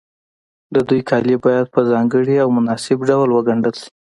د دوی کالي باید په ځانګړي او مناسب ډول وګنډل شي.